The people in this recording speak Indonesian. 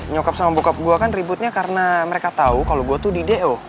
nyokap sama bokap gue kan ributnya karena mereka tahu kalau gue tuh di do